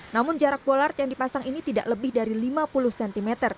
namun jarak bolart yang dipasang ini tidak lebih dari lima puluh cm